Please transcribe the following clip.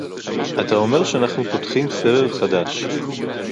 אתה אומר שאנחנו פותחים סבב חדש